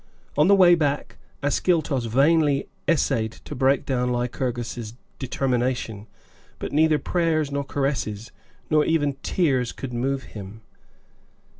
On the way back, Ascyltos vainly essayed to break down Lycurgus' determination, but neither prayers nor caresses, nor even tears could move him.